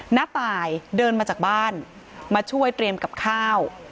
น้าตายเดินมาจากบ้านมาช่วยเตรียมกับข้าว